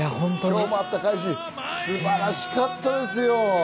日本も暖かいし、晴らしかったですよ。